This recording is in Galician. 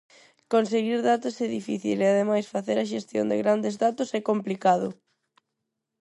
Conseguir datos é difícil e ademais facer a xestión de grandes datos é complicado.